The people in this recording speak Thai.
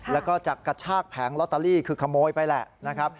แล้วก็จะกระชากแผงลอตเตอรี่คือขโมยไปแหละนะครับ